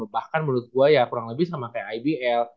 bahkan menurut gue ya kurang lebih sama kayak ibl